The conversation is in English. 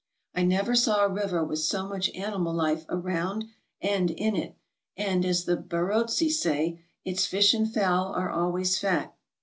I never saw a river with so much animal life around and in it, and, as the Barotse say, "Its fish and fowl are always fat."